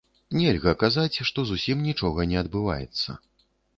Нельга казаць, што зусім нічога не адбываецца.